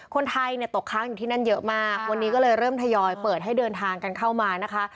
คนไทยเนี่ยตกค้างอยู่ที่นั่นเยอะมากวันนี้ก็เลยเริ่มทยอยเปิดให้เดินทางกันเข้ามานะคะ